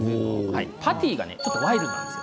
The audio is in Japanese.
パティがちょっとワイルドなんです。